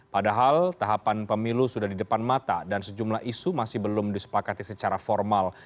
padahal tahapan pemilu sudah di depan mata dan sejumlah isu masih belum disepakati secara formal